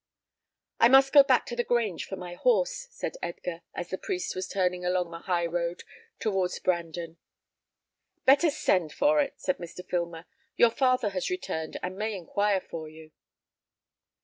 "I must go back to the Grange for my horse," said Edgar, as the priest was turning along the high road towards Brandon. "Better send for it," said Mr. Filmer. "Your father has returned, and may inquire for you."